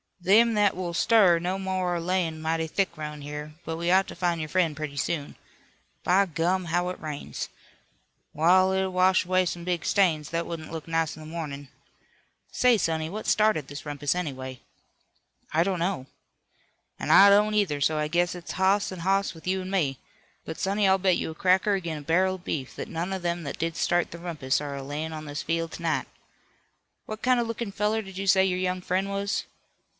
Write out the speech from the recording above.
"Them that will stir no more are layin' mighty thick 'roun' here, but we ought to find your friend pretty soon. By gum, how it rains! W'all, it'll wash away some big stains, that wouldn't look nice in the mornin'. Say, sonny, what started this rumpus, anyway?" "I don't know." "An' I don't, either, so I guess it's hoss an' hoss with you an' me. But, sonny, I'll bet you a cracker ag'in a barrel of beef that none of them that did start the rumpus are a layin' on this field to night. What kind of lookin' feller did you say your young friend was?"